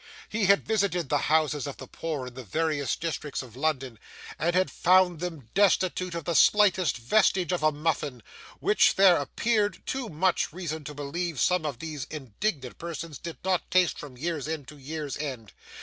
He had visited the houses of the poor in the various districts of London, and had found them destitute of the slightest vestige of a muffin, which there appeared too much reason to believe some of these indigent persons did not taste from year's end to year's end.